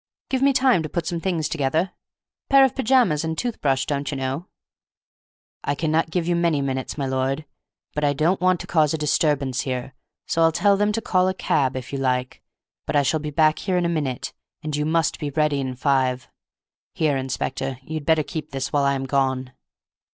"Give me time to put some things together? Pair of pyjamas and tooth brush, don't you know?" "I cannot give you many minutes, my lord, but I don't want to cause a disturbance here, so I'll tell them to call a cab if you like. But I shall be back in a minute, and you must be ready in five. Here, inspector, you'd better keep this while I am gone."